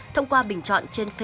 thông qua bình chọn truyền thông báo